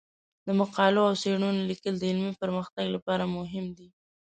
د مقالو او څیړنو لیکل د علمي پرمختګ لپاره مهم دي.